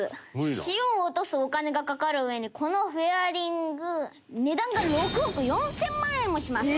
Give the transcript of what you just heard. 塩を落とすお金がかかるうえにこのフェアリング値段が６億４０００万円もします。